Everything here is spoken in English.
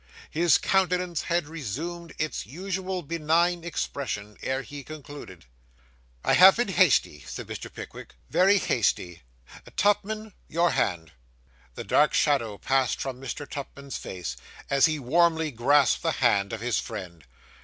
His countenance had resumed its usual benign expression, ere he concluded. 'I have been hasty,' said Mr. Pickwick, 'very hasty. Tupman; your hand.' The dark shadow passed from Mr. Tupman's face, as he warmly grasped the hand of his friend.